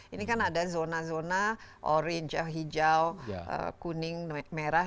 ini kan ada zona zona orange hijau kuning merah